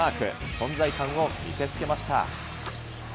存在感を見せつけました。